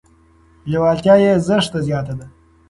لیوالتیا یې زښته زیاته ده.